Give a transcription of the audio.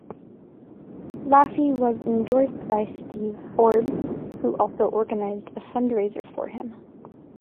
Laffey was endorsed by Steve Forbes who also organized a fundraiser for him.